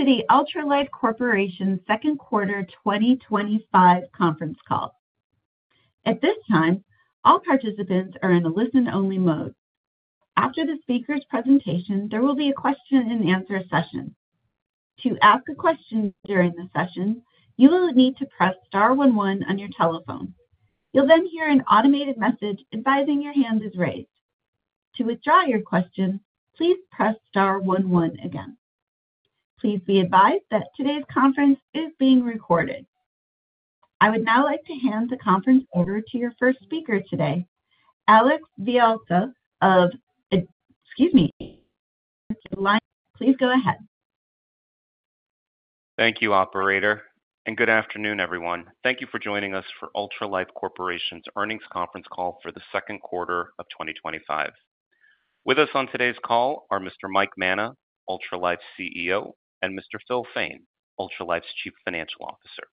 Welcome to the Ultralife Corporation's Second Quarter 2025 Conference Call. At this time, all participants are in a listen-only mode. After the speaker's presentation, there will be a question-and-answer session. To ask a question during the session, you will need to press star one one on your telephone. You'll then hear an automated message advising your hand is raised. To withdraw your question, please press star one one again. Please be advised that today's conference is being recorded. I would now like to hand the conference over to your first speaker today, Alex Villalta. Please go ahead. Thank you, operator. Good afternoon, everyone. Thank you for joining us for Ultralife Corporation's Earnings Conference Call for the Second Quarter of 2025. With us on today's call are Mr. Mike Manna, Ultralife's CEO, and Mr. Phil Fain, Ultralife's Chief Financial Officer.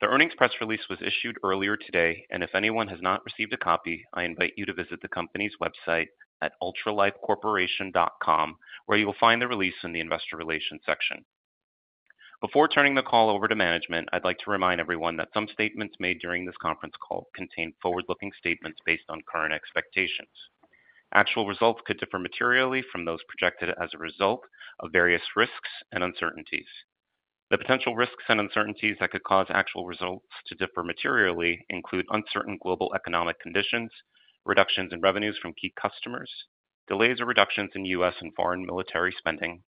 The earnings press release was issued earlier today, and if anyone has not received a copy, I invite you to visit the company's website at ultralifecorporation.com, where you will find the release in the Investor Relations section. Before turning the call over to management, I'd like to remind everyone that some statements made during this conference call contain forward-looking statements based on current expectations. Actual results could differ materially from those projected as a result of various risks and uncertainties. The potential risks and uncertainties that could cause actual results to differ materially include uncertain global economic conditions, reductions in revenues from key customers, delays or reductions in U.S. and foreign military spending,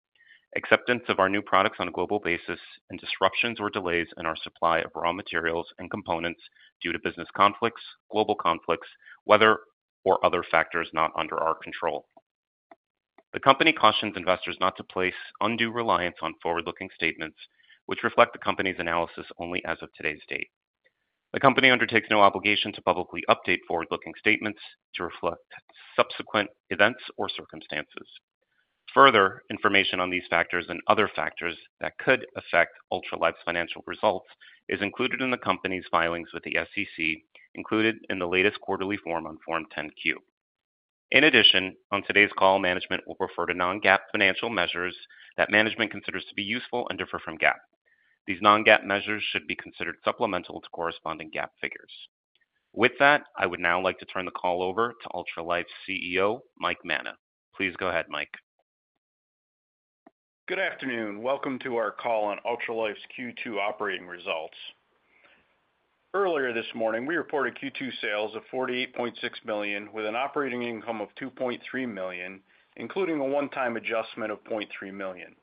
acceptance of our new products on a global basis, and disruptions or delays in our supply of raw materials and components due to business conflicts, global conflicts, weather, or other factors not under our control. The company cautions investors not to place undue reliance on forward-looking statements, which reflect the company's analysis only as of today's date. The company undertakes no obligation to publicly update forward-looking statements to reflect subsequent events or circumstances. Further information on these factors and other factors that could affect Ultralife's financial results is included in the company's filings with the SEC, included in the latest quarterly form on Form 10-Q. In addition, on today's call, management will refer to non-GAAP financial measures that management considers to be useful and differ from GAAP. These non-GAAP measures should be considered supplemental to corresponding GAAP figures. With that, I would now like to turn the call over to Ultralife's CEO, Mike Manna. Please go ahead, Mike. Good afternoon. Welcome to our call on Ultralife's Q2 operating results. Earlier this morning, we reported Q2 sales of $48.6 million with an operating income of $2.3 million, including a one-time adjustment of $0.3 million.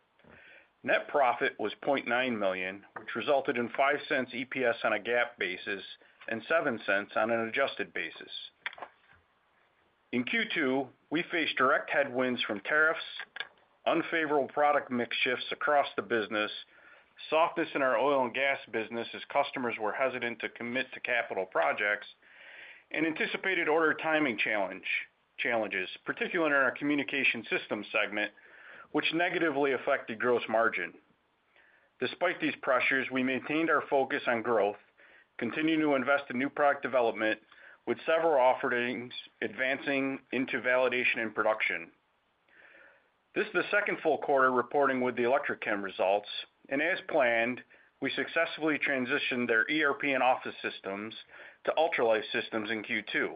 Net profit was $0.9 million, which resulted in $0.05 EPS on a GAAP basis and $0.07 on an adjusted basis. In Q2, we faced direct headwinds from tariffs, unfavorable product mix shifts across the business, softness in our oil and gas business as customers were hesitant to commit to capital projects, and anticipated order timing challenges, particularly in our Communications Systems segment, which negatively affected gross margin. Despite these pressures, we maintained our focus on growth, continued to invest in new product development, with several offerings advancing into validation and production. This is the second full quarter reporting with the Electrochem results, and as planned, we successfully transitioned their ERP and office systems to Ultralife systems in Q2.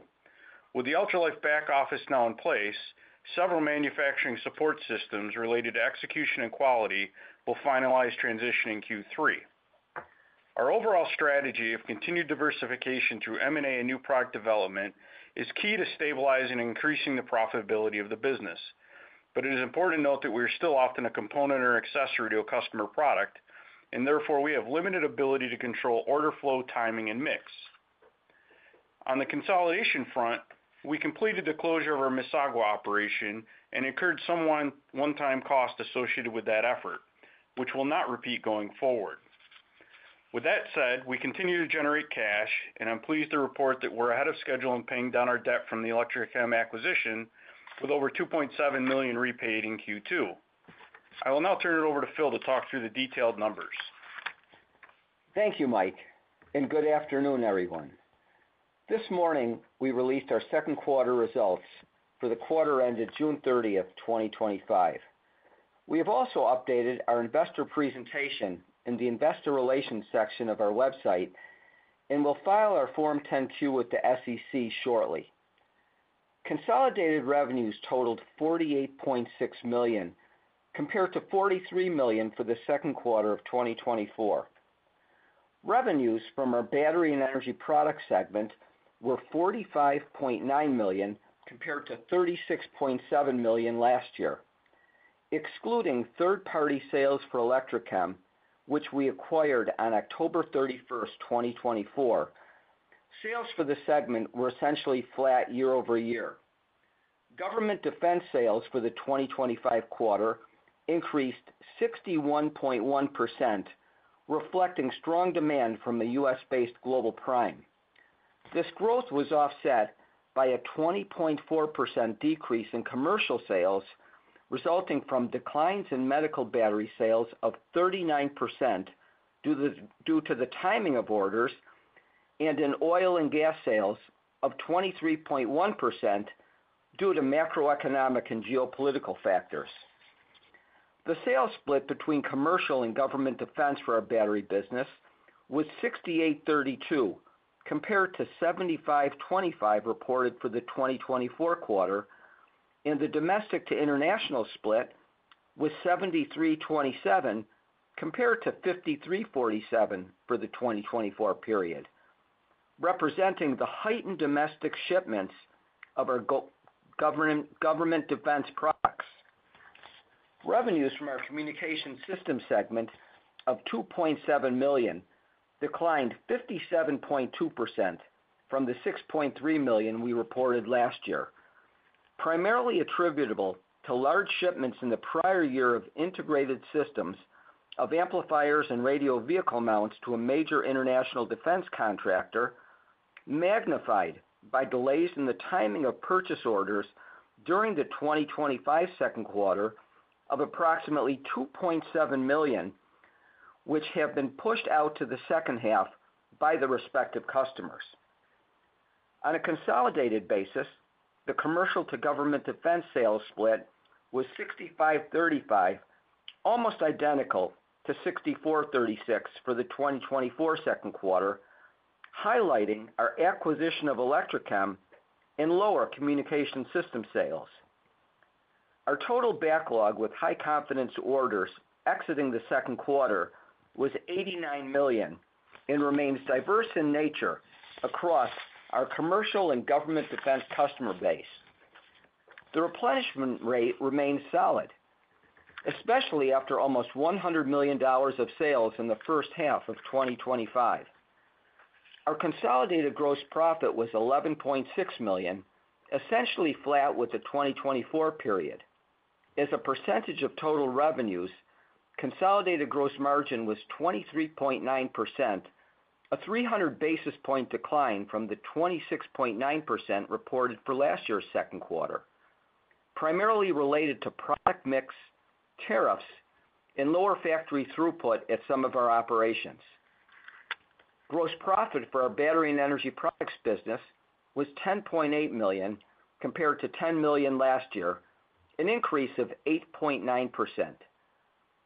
With the Ultralife back office now in place, several manufacturing support systems related to execution and quality will finalize transition in Q3. Our overall strategy of continued diversification through M&A and new product development is key to stabilizing and increasing the profitability of the business, but it is important to note that we are still often a component or accessory to a customer product, and therefore we have limited ability to control order flow, timing, and mix. On the consolidation front, we completed the closure of our Mississauga operation and incurred some one-time costs associated with that effort, which will not repeat going forward. With that said, we continue to generate cash, and I'm pleased to report that we're ahead of schedule in paying down our debt from the Electrochem acquisition with over $2.7 million repaid in Q2. I will now turn it over to Phil to talk through the detailed numbers. Thank you, Mike, and good afternoon, everyone. This morning, we released our second quarter results for the quarter ended June 30, 2025. We have also updated our investor presentation in the Investor Relations section of our website and will file our Form 10-Q with the SEC shortly. Consolidated revenues totaled $48.6 million, compared to $43 million for the second quarter of 2024. Revenues from our Battery and Energy Products segment were $45.9 million, compared to $36.7 million last year. Excluding third-party sales for Electrochem, which we acquired on October 31, 2024, sales for the segment were essentially flat year-over-year. Government defense sales for the 2025 quarter increased 61.1%, reflecting strong demand from the U.S.-based global prime. This growth was offset by a 20.4% decrease in commercial sales, resulting from declines in medical battery sales of 39% due to the timing of orders and in oil and gas sales of 23.1% due to macroeconomic and geopolitical factors. The sales split between commercial and government defense for our battery business was 68/32, compared to 75/25 reported for the 2024 quarter, and the domestic to international split was 73/27, compared to 53/47 for the 2024 period, representing the heightened domestic shipments of our government defense products. Revenues from our Communications Systems segment of $2.7 million declined 57.2% from the $6.3 million we reported last year, primarily attributable to large shipments in the prior year of integrated systems of amplifiers and radio vehicle mounts to a major international defense contractor, magnified by delays in the timing of purchase orders during the 2025 second quarter of approximately $2.7 million, which have been pushed out to the second half by the respective customers. On a consolidated basis, the commercial to government defense sales split was 65/35, almost identical to 64/36 for the 2024 second quarter, highlighting our acquisition of Electrochem and lower Communication System sales. Our total backlog with high-confidence orders exiting the second quarter was $89 million and remains diverse in nature across our commercial and government defense customer base. The replenishment rate remains solid, especially after almost $100 million of sales in the first half of 2025. Our consolidated gross profit was $11.6 million, essentially flat with the 2024 period. As a percentage of total revenues, consolidated gross margin was 23.9%, a 300 basis point decline from the 26.9% reported for last year's second quarter, primarily related to product mix, tariffs, and lower factory throughput at some of our operations. Gross profit for our Battery and Energy Products business was $10.8 million, compared to $10 million last year, an increase of 8.9%.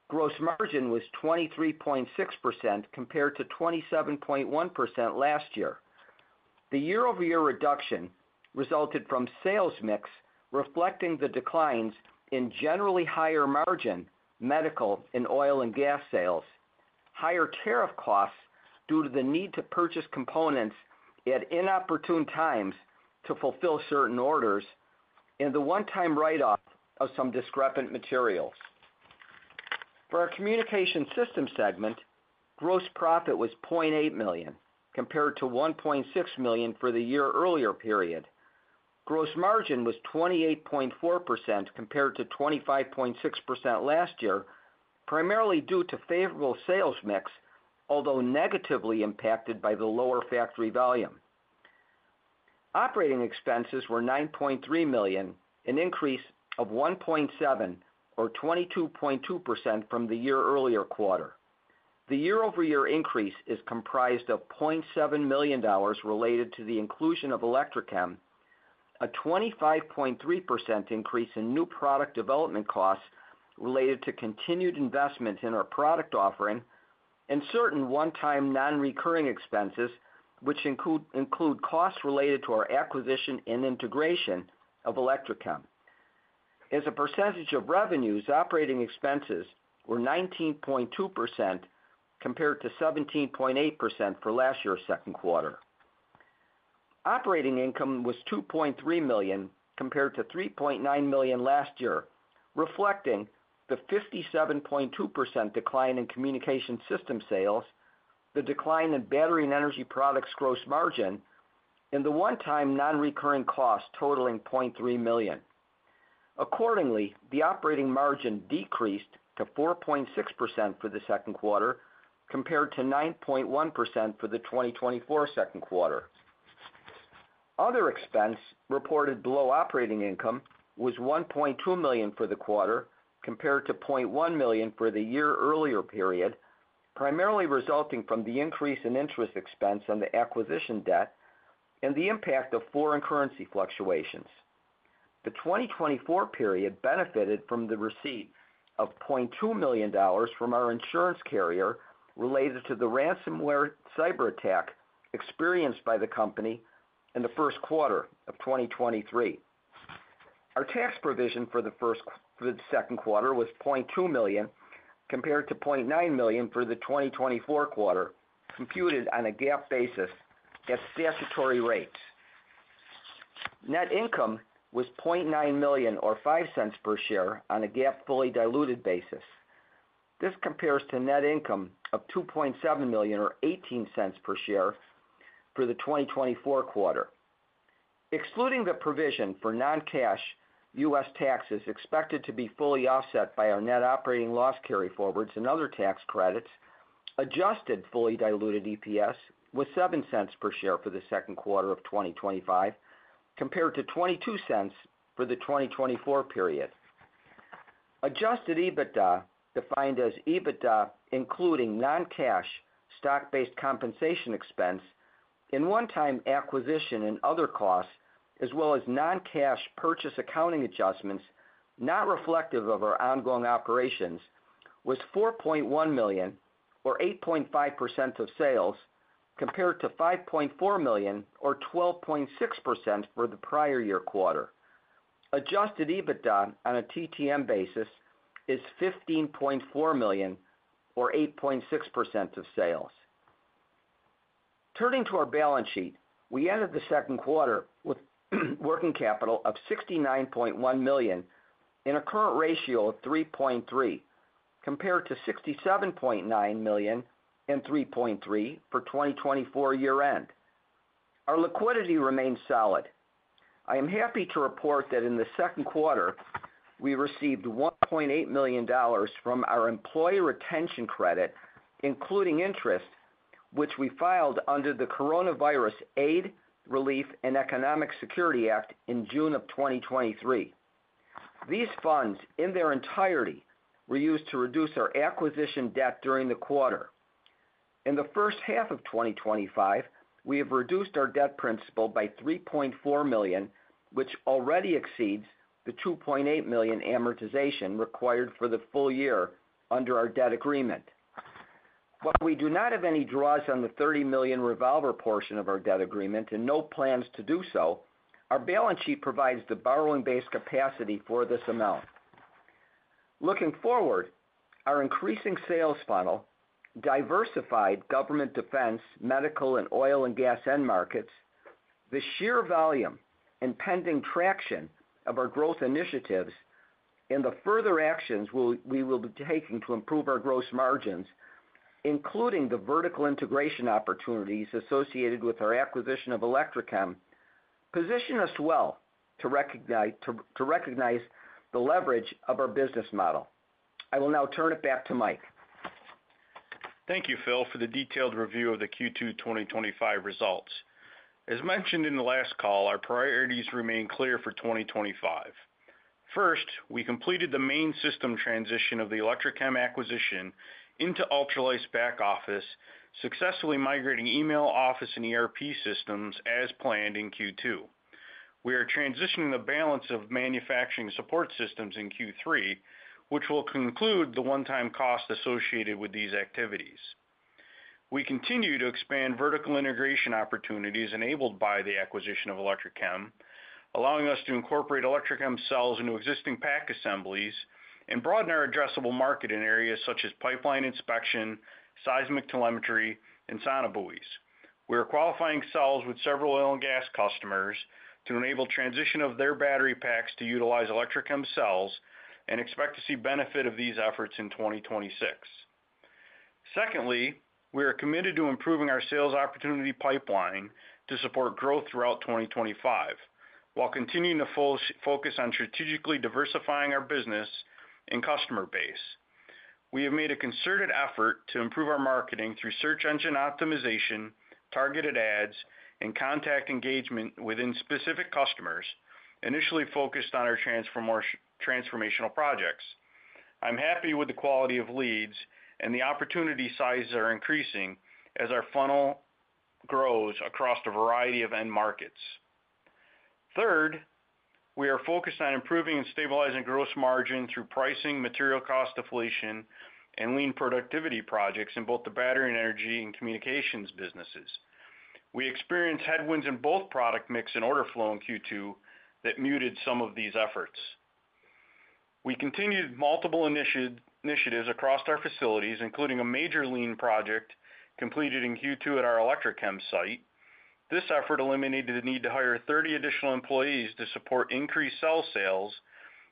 Gross margin was 23.6%, compared to 27.1% last year. The year-over-year reduction resulted from sales mix, reflecting the declines in generally higher margin medical and oil and gas sales, higher tariff costs due to the need to purchase components at inopportune times to fulfill certain orders, and the one-time write-off of some discrepant materials. For our Communication Systems segment, gross profit was $0.8 million, compared to $1.6 million for the year earlier period. Gross margin was 28.4%, compared to 25.6% last year, primarily due to favorable sales mix, although negatively impacted by the lower factory volume. Operating expenses were $9.3 million, an increase of 1.7% or 22.2% from the year earlier quarter. The year-over-year increase is comprised of $0.7 million related to the inclusion of Electrochem, a 25.3% increase in new product development costs related to continued investment in our product offering, and certain one-time non-recurring expenses, which include costs related to our acquisition and integration of Electrochem. As a percentage of revenues, operating expenses were 19.2%, compared to 17.8% for last year's second quarter. Operating income was $2.3 million, compared to $3.9 million last year, reflecting the 57.2% decline in Communication System sales, the decline in Battery and Energy Products gross margin, and the one-time non-recurring costs totaling $0.3 million. Accordingly, the operating margin decreased to 4.6% for the second quarter, compared to 9.1% for the 2024 second quarter. Other expense reported below operating income was $1.2 million for the quarter, compared to $0.1 million for the year earlier period, primarily resulting from the increase in interest expense on the acquisition debt and the impact of foreign currency fluctuations. The 2024 period benefited from the receipt of $0.2 million from our insurance carrier related to the ransomware cyberattack experienced by the company in the first quarter of 2023. Our tax provision for the second quarter was $0.2 million, compared to $0.9 million for the 2024 quarter, computed on a GAAP basis at statutory rates. Net income was $0.9 million or $0.05 per share on a GAAP fully diluted basis. This compares to net income of $2.7 million or $0.18 per share for the 2024 quarter. Excluding the provision for non-cash U.S. taxes expected to be fully offset by our net operating loss carryforwards and other tax credits, adjusted fully diluted EPS was $0.07 per share for the second quarter of 2025, compared to $0.22 for the 2024 period. Adjusted EBITDA, defined as EBITDA including non-cash stock-based compensation expense and one-time acquisition and other costs, as well as non-cash purchase accounting adjustments not reflective of our ongoing operations, was $4.1 million or 8.5% of sales, compared to $5.4 million or 12.6% for the prior year quarter. Adjusted EBITDA on a TTM basis is $15.4 million or 8.6% of sales. Turning to our balance sheet, we ended the second quarter with working capital of $69.1 million and a current ratio of 3.3, compared to $67.9 million and 3.3 for 2024 year-end. Our liquidity remains solid. I am happy to report that in the second quarter, we received $1.8 million from our employee retention credit, including interest, which we filed under the Coronavirus Aid, Relief, and Economic Security Act in June of 2023. These funds, in their entirety, were used to reduce our acquisition debt during the quarter. In the first half of 2025, we have reduced our debt principal by $3.4 million, which already exceeds the $2.8 million amortization required for the full year under our debt agreement. While we do not have any draws on the $30 million revolver portion of our debt agreement and no plans to do so, our balance sheet provides the borrowing-based capacity for this amount. Looking forward, our increasing sales funnel, diversified government defense, medical, and oil and gas end markets, the sheer volume and pending traction of our growth initiatives, and the further actions we will be taking to improve our gross margins, including the vertical integration opportunities associated with our acquisition of Electrochem, position us well to recognize the leverage of our business model. I will now turn it back to Mike. Thank you, Phil, for the detailed review of the Q2 2025 results. As mentioned in the last call, our priorities remain clear for 2025. First, we completed the main system transition of the Electrochem acquisition into Ultralife's back office, successfully migrating email, office, and ERP systems as planned in Q2. We are transitioning the balance of manufacturing support systems in Q3, which will conclude the one-time cost associated with these activities. We continue to expand vertical integration opportunities enabled by the acquisition of Electrochem, allowing us to incorporate Electrochem cells into existing pack assemblies and broaden our addressable market in areas such as pipeline inspection, seismic telemetry, and sonobuoys. We are qualifying cells with several oil and gas customers to enable transition of their battery packs to utilize Electrochem cells and expect to see benefit of these efforts in 2026. Secondly, we are committed to improving our sales opportunity pipeline to support growth throughout 2025, while continuing to focus on strategically diversifying our business and customer base. We have made a concerted effort to improve our marketing through search engine optimization, targeted ads, and contact engagement within specific customers, initially focused on our transformational projects. I'm happy with the quality of leads and the opportunity sizes that are increasing as our funnel grows across a variety of end markets. Third, we are focused on improving and stabilizing gross margin through pricing, material cost deflation, and lean productivity projects in both the Battery and Energy and Communications businesses. We experienced headwinds in both product mix and order flow in Q2 that muted some of these efforts. We continued multiple initiatives across our facilities, including a major lean project completed in Q2 at our Electrochem site. This effort eliminated the need to hire 30 additional employees to support increased cell sales,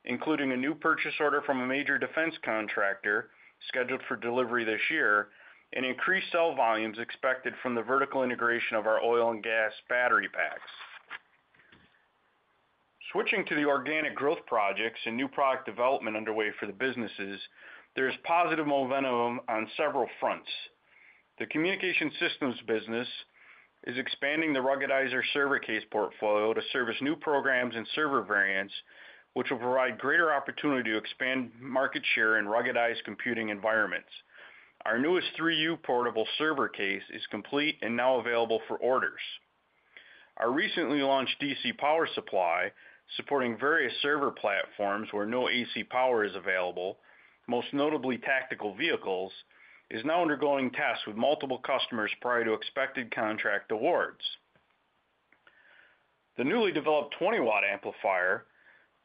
including a new purchase order from a major defense contractor scheduled for delivery this year, and increased cell volumes expected from the vertical integration of our oil and gas battery packs. Switching to the organic growth projects and new product development underway for the businesses, there's positive momentum on several fronts. The Communication Systems business is expanding the ruggedized server case portfolio to service new programs and server variants, which will provide greater opportunity to expand market share in ruggedized computing environments. Our newest 3U portable server case is complete and now available for orders. Our recently launched DC power supply, supporting various server platforms where no AC power is available, most notably tactical vehicles, is now undergoing tests with multiple customers prior to expected contract awards. The newly developed 20 W amplifier,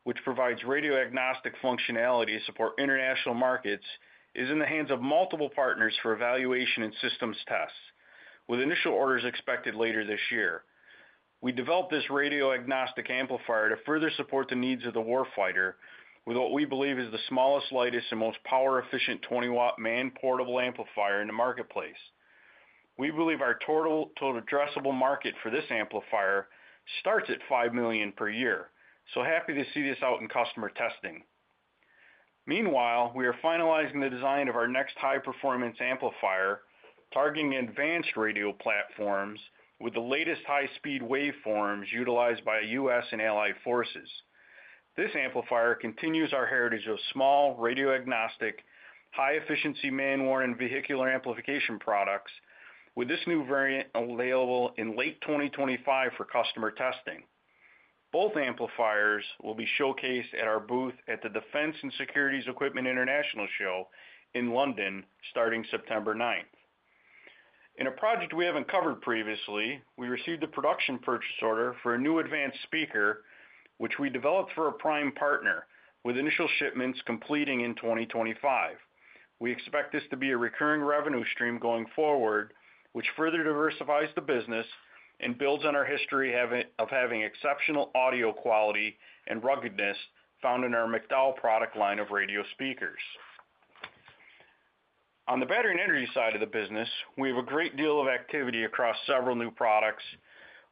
which provides radio-agnostic functionality to support international markets, is in the hands of multiple partners for evaluation and systems tests, with initial orders expected later this year. We developed this radio-agnostic amplifier to further support the needs of the warfighter with what we believe is the smallest, lightest, and most power-efficient 20 W man-portable amplifier in the marketplace. We believe our total addressable market for this amplifier starts at $5 million per year, so happy to see this out in customer testing. Meanwhile, we are finalizing the design of our next high-performance amplifier, targeting advanced radio platforms with the latest high-speed waveforms utilized by U.S. and allied forces. This amplifier continues our heritage of small, radio-agnostic, high-efficiency man-portable and vehicular amplification products, with this new variant available in late 2025 for customer testing. Both amplifiers will be showcased at our booth at the Defense and Security Equipment International Show in London starting September 9th. In a project we haven't covered previously, we received a production purchase order for a new advanced speaker, which we developed for a prime partner, with initial shipments completing in 2025. We expect this to be a recurring revenue stream going forward, which further diversifies the business and builds on our history of having exceptional audio quality and ruggedness found in our McDowell product line of radio speakers. On the Battery and Energy side of the business, we have a great deal of activity across several new products,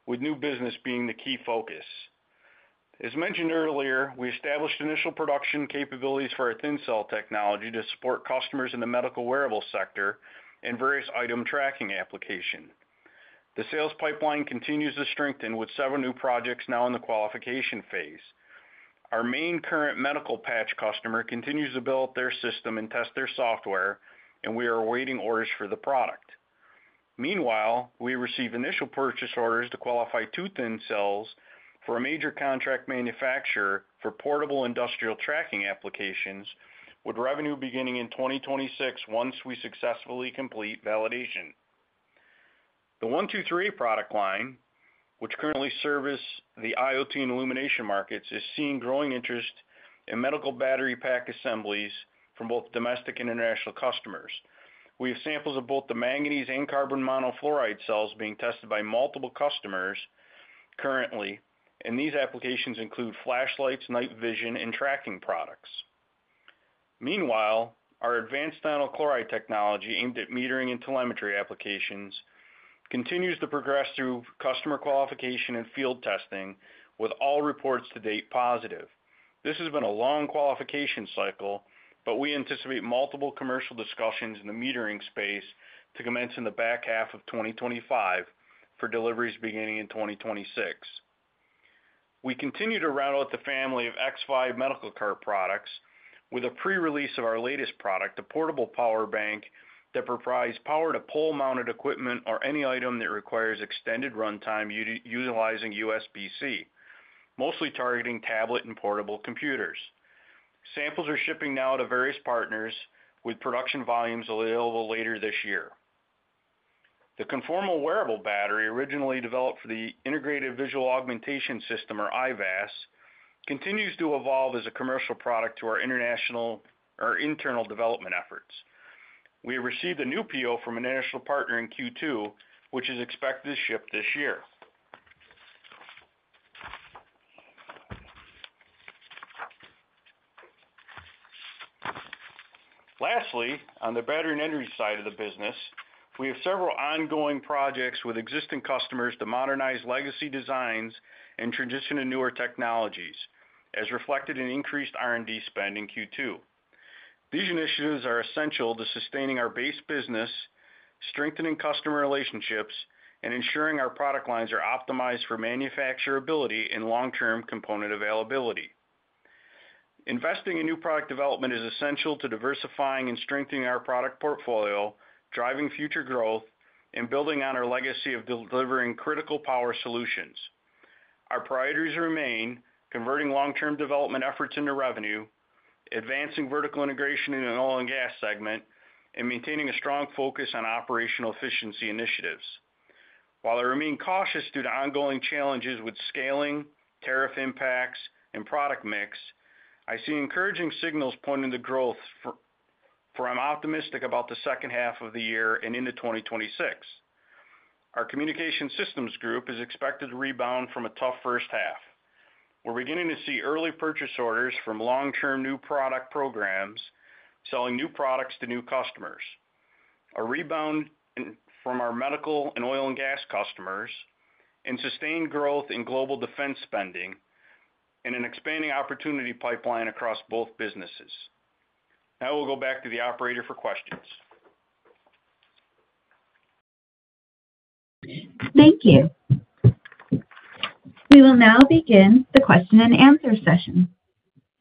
with new business being the key focus. As mentioned earlier, we established initial production capabilities for our thin cell technology to support customers in the medical wearable sector and various item tracking applications. The sales pipeline continues to strengthen with several new projects now in the qualification phase. Our main current medical patch customer continues to build their system and test their software, and we are awaiting orders for the product. Meanwhile, we received initial purchase orders to qualify two thin cells for a major contract manufacturer for portable industrial tracking applications, with revenue beginning in 2026 once we successfully complete validation. The 123 product line, which currently services the IoT and illumination markets, is seeing growing interest in medical battery pack assemblies from both domestic and international customers. We have samples of both the manganese and carbon monofluoride cells being tested by multiple customers currently, and these applications include flashlights, night vision, and tracking products. Meanwhile, our advanced nanochloride technology aimed at metering and telemetry applications continues to progress through customer qualification and field testing, with all reports to date positive. This has been a long qualification cycle, but we anticipate multiple commercial discussions in the metering space to commence in the back half of 2025 for deliveries beginning in 2026. We continue to rattle out the family of X5 medical cart products with a pre-release of our latest product, a portable power bank that provides power to pull mounted equipment or any item that requires extended runtime utilizing USB-C, mostly targeting tablet and portable computers. Samples are shipping now to various partners with production volumes available later this year. The conformal wearable battery originally developed for the Integrated Visual Augmentation System, or IVAS, continues to evolve as a commercial product to our internal development efforts. We have received a new PO from an international partner in Q2, which is expected to ship this year. Lastly, on the Battery and Energy side of the business, we have several ongoing projects with existing customers to modernize legacy designs and transition to newer technologies, as reflected in increased R&D spend in Q2. These initiatives are essential to sustaining our base business, strengthening customer relationships, and ensuring our product lines are optimized for manufacturability and long-term component availability. Investing in new product development is essential to diversifying and strengthening our product portfolio, driving future growth, and building on our legacy of delivering critical power solutions. Our priorities remain converting long-term development efforts into revenue, advancing vertical integration in the oil and gas segment, and maintaining a strong focus on operational efficiency initiatives. While I remain cautious due to ongoing challenges with scaling, tariff impacts, and product mix, I see encouraging signals pointing to growth, so I'm optimistic about the second half of the year and into 2026. Our Communication Systems Group is expected to rebound from a tough first half. We're beginning to see early purchase orders from long-term new product programs selling new products to new customers, a rebound from our medical and oil and gas customers, and sustained growth in global defense spending, and an expanding opportunity pipeline across both businesses. Now we'll go back to the operator for questions. Thank you. We will now begin the question-and-answer session.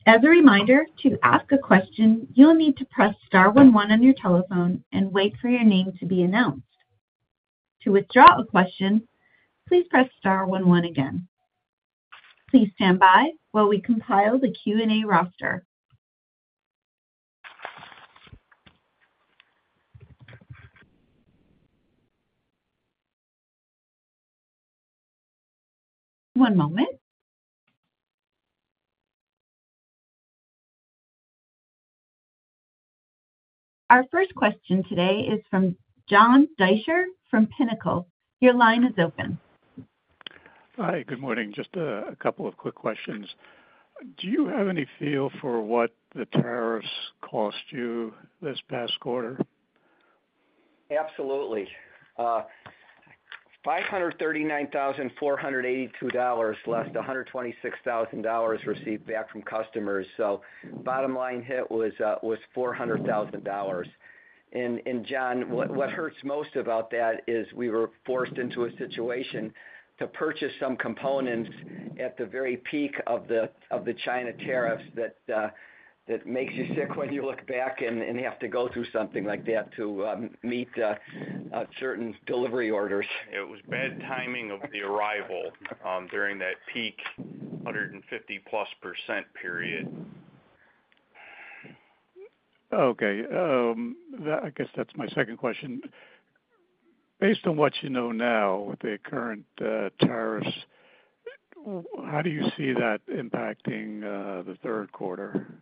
As a reminder, to ask a question, you'll need to press star one one on your telephone and wait for your name to be announced. To withdraw a question, please press star one one again. Please stand by while we compile the Q&A roster. One moment. Our first question today is from John Deysher from Pinnacle. Your line is open. Hi, good morning. Just a couple of quick questions. Do you have any feel for what the tariffs cost you this past quarter? Absolutely. $539,482 less than $126,000 received back from customers. The bottom line hit was $400,000. John, what hurts most about that is we were forced into a situation to purchase some components at the very peak of the China tariffs. It makes you sick when you look back and have to go through something like that to meet certain delivery orders. It was bad timing of the arrival during that peak 150%+ period. Okay. I guess that's my second question. Based on what you know now with the current tariffs, how do you see that impacting the third quarter? The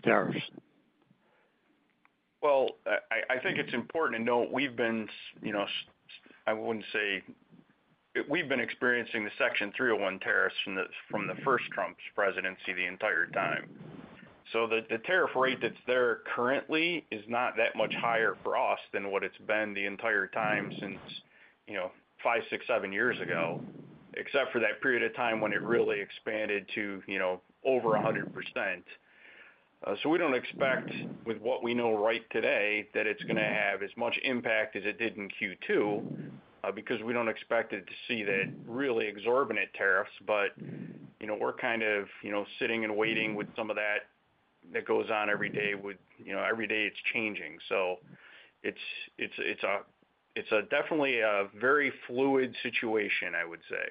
tariffs. I think it's important to note we've been experiencing the Section 301 tariffs from the first Trump's presidency the entire time. The tariff rate that's there currently is not that much higher for us than what it's been the entire time since, you know, five, six, seven years ago, except for that period of time when it really expanded to over 100%. We don't expect, with what we know right today, that it's going to have as much impact as it did in Q2 because we don't expect to see the really exorbitant tariffs. We're kind of sitting and waiting with some of that that goes on every day, with every day it's changing. It's definitely a very fluid situation, I would say.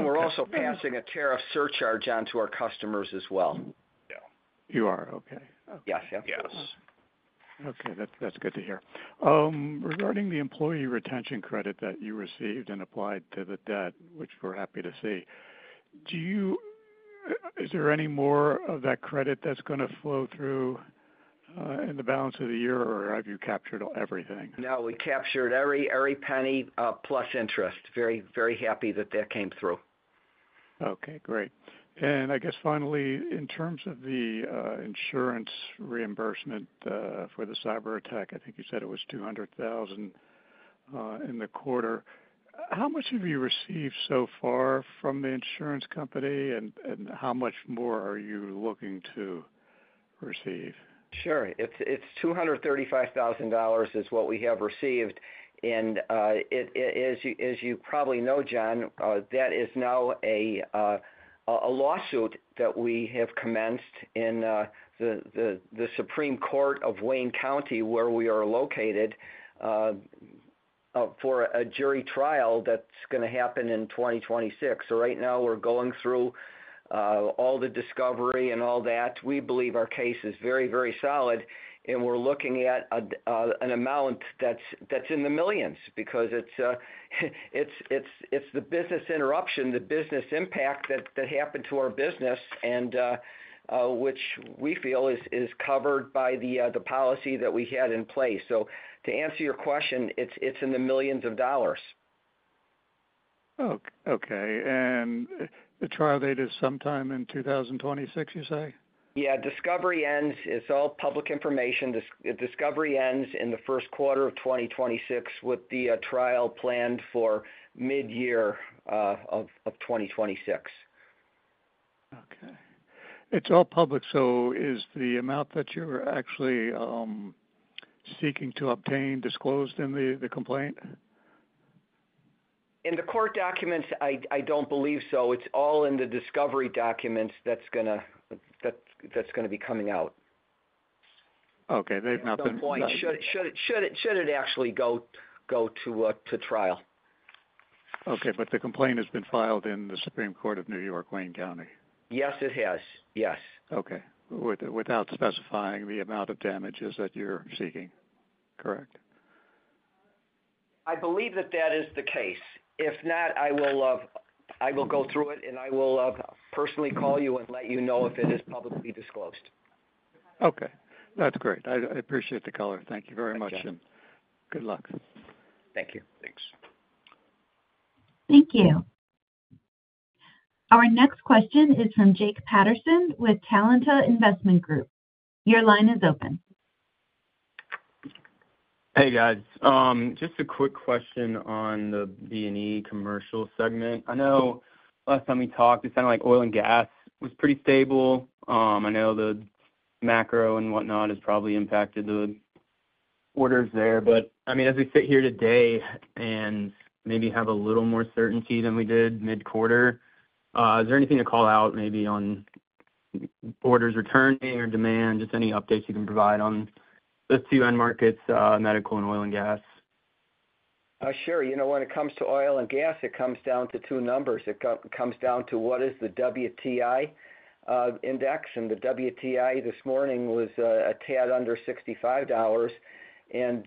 We are also passing a tariff surcharge onto our customers as well. Yeah, you are okay. Yes. Yes. Okay. That's good to hear. Regarding the employee retention credit that you received and applied to the debt, which we're happy to see, is there any more of that credit that's going to flow through in the balance of the year, or have you captured everything? No, we captured every penny plus interest. Very, very happy that that came through. Okay. Great. Finally, in terms of the insurance reimbursement for the cyber attack, I think you said it was $200,000 in the quarter. How much have you received so far from the insurance company, and how much more are you looking to receive? Sure. It's $235,000 is what we have received. As you probably know, John, that is now a lawsuit that we have commenced in the Supreme Court of Wayne County, where we are located, for a jury trial that's going to happen in 2026. Right now, we're going through all the discovery and all that. We believe our case is very, very solid, and we're looking at an amount that's in the millions because it's the business interruption, the business impact that happened to our business, which we feel is covered by the policy that we had in place. To answer your question, it's in the millions of dollars. Okay. The trial date is sometime in 2026, you say? Yeah. Discovery ends. It's all public information. Discovery ends in the first quarter of 2026 with the trial planned for mid-year of 2026. Okay. It's all public. Is the amount that you're actually seeking to obtain disclosed in the complaint? In the court documents, I don't believe so. It's all in the discovery documents that are going to be coming out. Okay, they've not been filed. Should it actually go to trial. Okay. The complaint has been filed in the Supreme Court of New York, Wayne County? Yes, it has. Yes. Okay. Without specifying the amount of damages that you're seeking, correct? I believe that is the case. If not, I will go through it, and I will personally call you and let you know if it is publicly disclosed. Okay. That's great. I appreciate the call. Thank you very much, and good luck. Thank you. Thank you. Our next question is from Jake Patterson with Talanta Investment Group. Your line is open. Hey, guys. Just a quick question on the B&E commercial segment. I know last time we talked, it sounded like oil and gas was pretty stable. I know the macro and whatnot has probably impacted the orders there. As we sit here today and maybe have a little more certainty than we did mid-quarter, is there anything to call out maybe on orders returning or demand, just any updates you can provide on those two end markets, medical and oil and gas? Sure. When it comes to oil and gas, it comes down to two numbers. It comes down to what is the WTI index. The WTI this morning was a tad under $65, and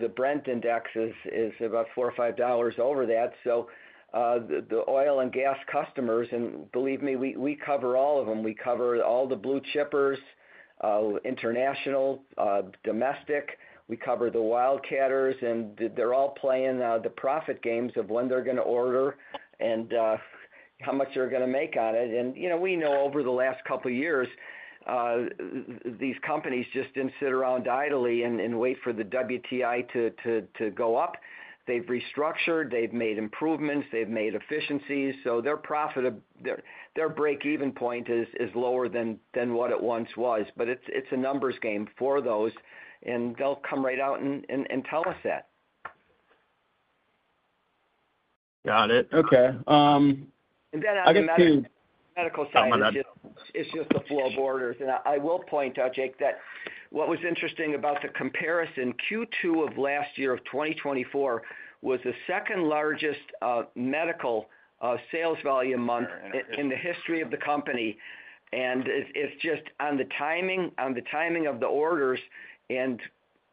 the Brent index is about $4 or $5 over that. The oil and gas customers, and believe me, we cover all of them. We cover all the blue chippers, international, domestic. We cover the wildcatters, and they're all playing the profit games of when they're going to order and how much they're going to make on it. We know over the last couple of years, these companies just didn't sit around idly and wait for the WTI to go up. They've restructured, they've made improvements, they've made efficiencies. Their break-even point is lower than what it once was. It's a numbers game for those, and they'll come right out and tell us that. Got it. Okay. On the medical side, it's just the flow of orders. I will point out, Jake, that what was interesting about the comparison, Q2 of last year, 2024, was the second largest medical sales volume month in the history of the company. It's just on the timing of the orders.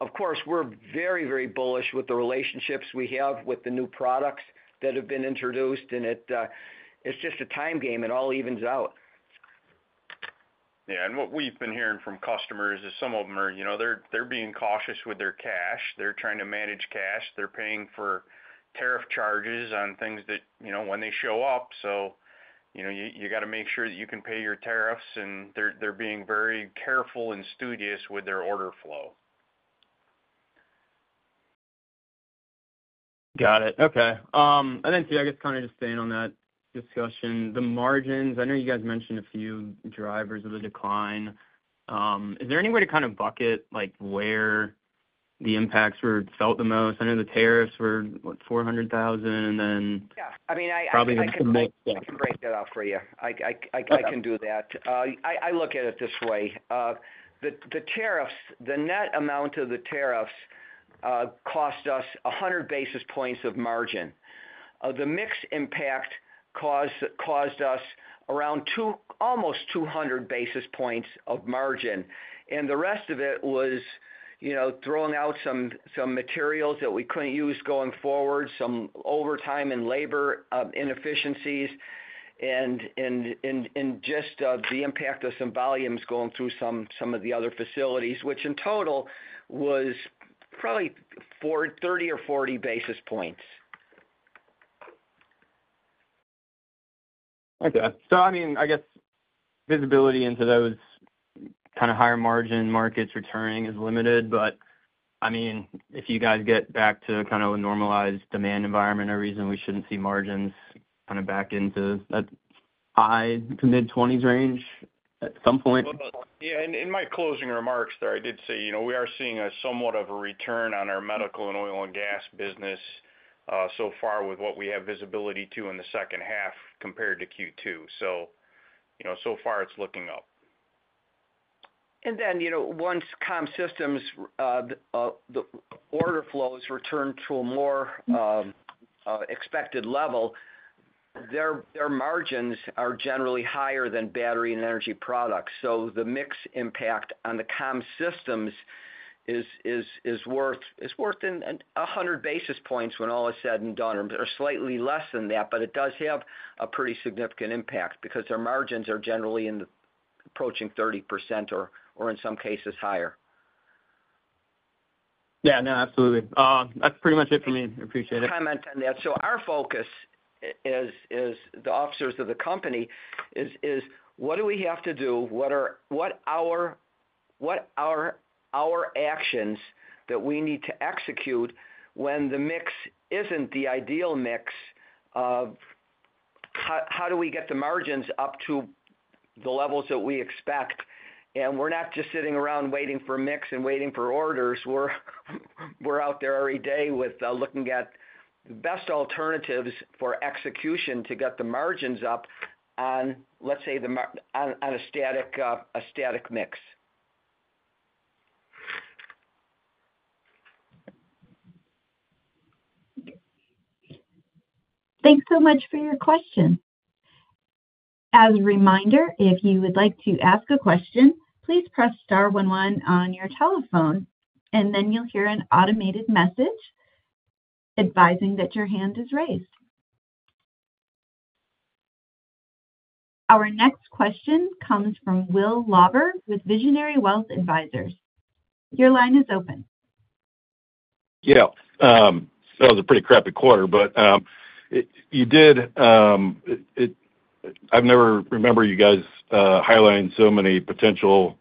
Of course, we're very, very bullish with the relationships we have with the new products that have been introduced. It's just a time game. It all evens out. Yeah, what we've been hearing from customers is some of them are, you know, they're being cautious with their cash. They're trying to manage cash. They're paying for tariff charges on things that, you know, when they show up. You got to make sure that you can pay your tariffs, and they're being very careful and studious with their order flow. Got it. Okay. I guess kind of just staying on that discussion, the margins, I know you guys mentioned a few drivers of the decline. Is there any way to kind of bucket like where the impacts were felt the most? I know the tariffs were $400,000, and then. Yeah, I mean, I can break that out for you. I can do that. I look at it this way. The net amount of the tariffs cost us 100 basis points of margin. The mixed impact caused us around almost 200 basis points of margin. The rest of it was, you know, throwing out some materials that we couldn't use going forward, some overtime and labor inefficiencies, and just the impact of some volumes going through some of the other facilities, which in total was probably 30 or 40 basis points. Okay. I mean, I guess visibility into those kind of higher margin markets returning is limited, but I mean, if you guys get back to kind of a normalized demand environment, a reason we shouldn't see margins kind of back into that high to mid-20% range at some point. In my closing remarks there, I did say, you know, we are seeing somewhat of a return on our medical and oil and gas business so far with what we have visibility to in the second half compared to Q2. You know, so far, it's looking up. Once Comm Systems' order flows return to a more expected level, their margins are generally higher than Battery and Energy Products. The mixed impact on the Comm Systems is worth 100 basis points when all is said and done, or slightly less than that, but it does have a pretty significant impact because their margins are generally approaching 30% or in some cases higher. Yeah, no, absolutely. That's pretty much it for me. I appreciate it. Our focus as the officers of the company is, what do we have to do? What are our actions that we need to execute when the mix isn't the ideal mix? How do we get the margins up to the levels that we expect? We're not just sitting around waiting for a mix and waiting for orders. We're out there every day looking at the best alternatives for execution to get the margins up on, let's say, a static mix. Thanks so much for your question. As a reminder, if you would like to ask a question, please press star one one on your telephone, and then you'll hear an automated message advising that your hand is raised. Our next question comes from Will Lauber with Visionary Wealth Advisors. Your line is open. Yeah, that was a pretty crappy quarter, but you did. I've never remembered you guys highlighting so many potential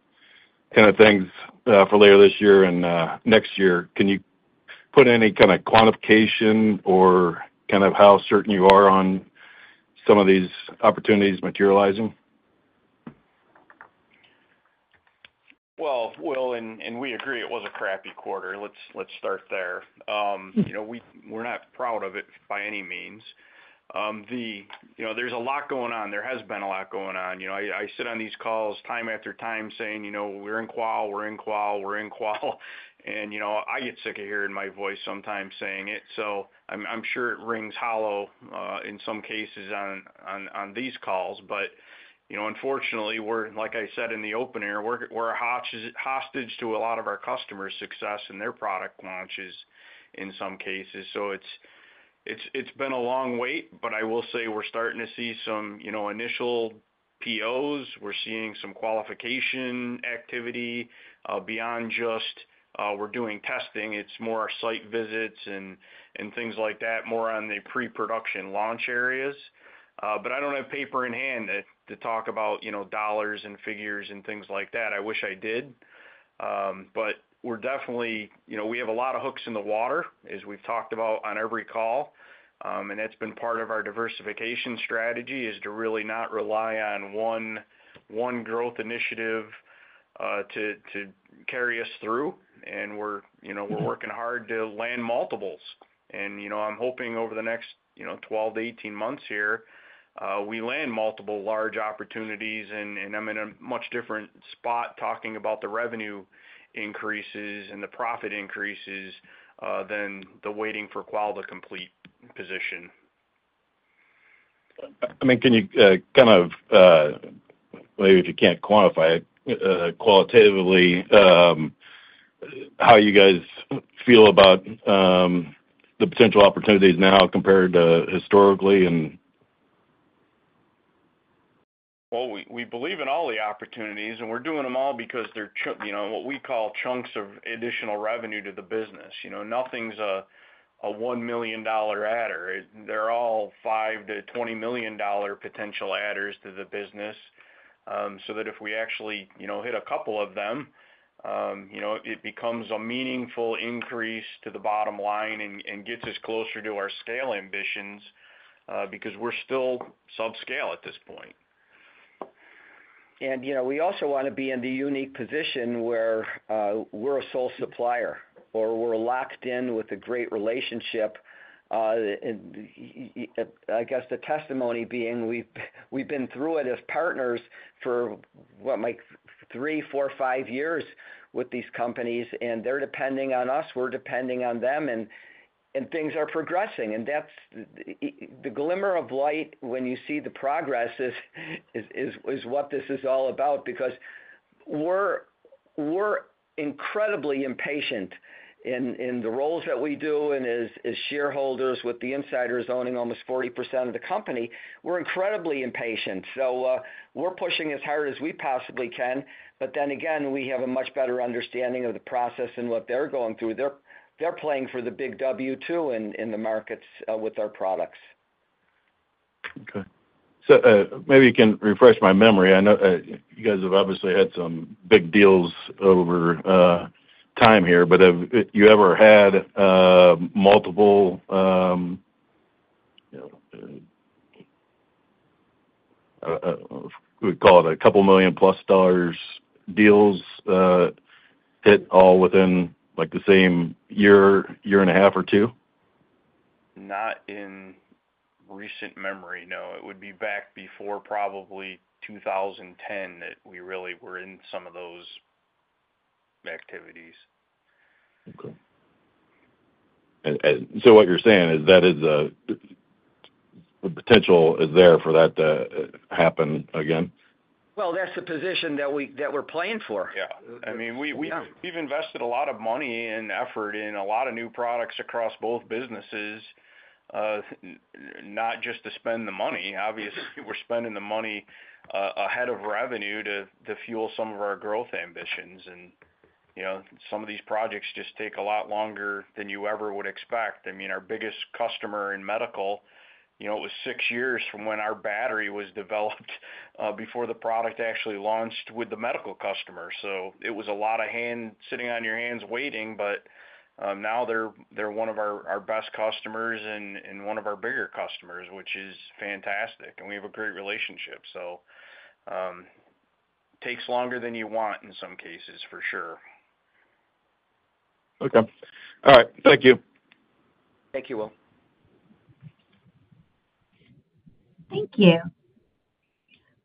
kind of things for later this year and next year. Can you put any kind of quantification or kind of how certain you are on some of these opportunities materializing? Will, we agree it was a crappy quarter. Let's start there. We're not proud of it by any means. There's a lot going on. There has been a lot going on. I sit on these calls time after time saying we're in qual, we're in qual, we're in qual. I get sick of hearing my voice sometimes saying it. I'm sure it rings hollow in some cases on these calls. Unfortunately, like I said in the open air, we're a hostage to a lot of our customers' success and their product launches in some cases. It's been a long wait, but I will say we're starting to see some initial POs. We're seeing some qualification activity beyond just we're doing testing. It's more site visits and things like that, more on the pre-production launch areas. I don't have paper in hand to talk about dollars and figures and things like that. I wish I did. We're definitely, we have a lot of hooks in the water, as we've talked about on every call. That's been part of our diversification strategy, to really not rely on one growth initiative to carry us through. We're working hard to land multiples. I'm hoping over the next 12-18 months here, we land multiple large opportunities. I'm in a much different spot talking about the revenue increases and the profit increases than the waiting for qual to complete position. Can you maybe, if you can't quantify it qualitatively, how you guys feel about the potential opportunities now compared to historically? We believe in all the opportunities, and we're doing them all because they're what we call chunks of additional revenue to the business. Nothing's a $1 million adder. They're all $5 million-$20 million potential adders to the business. If we actually hit a couple of them, it becomes a meaningful increase to the bottom line and gets us closer to our scale ambitions because we're still subscale at this point. We also want to be in the unique position where we're a sole supplier or we're locked in with a great relationship. The testimony being we've been through it as partners for what, Mike, three, four, five years with these companies, and they're depending on us, we're depending on them, and things are progressing. That's the glimmer of light when you see the progress, it's what this is all about because we're incredibly impatient in the roles that we do and as shareholders with the insiders owning almost 40% of the company. We're incredibly impatient. We're pushing as hard as we possibly can. We have a much better understanding of the process and what they're going through. They're playing for the [Big W] too in the markets with our products. Okay. Maybe you can refresh my memory. I know you guys have obviously had some big deals over time here, but have you ever had multiple, I don't know, we call it a couple million plus dollars deals hit all within the same year, year and a half or two? Not in recent memory, no. It would be back before probably 2010 that we really were in some of those activities. Okay, what you're saying is that the potential is there for that to happen again? That’s the position that we’re playing for. Yeah. I mean, we've invested a lot of money and effort in a lot of new products across both businesses, not just to spend the money. Obviously, we're spending the money ahead of revenue to fuel some of our growth ambitions. You know, some of these projects just take a lot longer than you ever would expect. I mean, our biggest customer in medical, you know, it was six years from when our battery was developed before the product actually launched with the medical customer. It was a lot of sitting on your hands waiting, but now they're one of our best customers and one of our bigger customers, which is fantastic. We have a great relationship. It takes longer than you want in some cases, for sure. Okay. All right. Thank you. Thank you, Will. Thank you.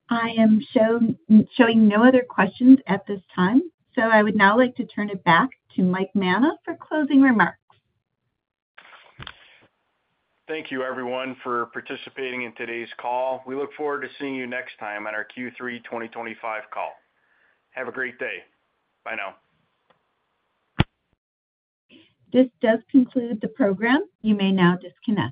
I am showing no other questions at this time. I would now like to turn it back to Mike Manna for closing remarks. Thank you, everyone, for participating in today's call. We look forward to seeing you next time on our Q3 2025 call. Have a great day. Bye now. This does conclude the program. You may now disconnect.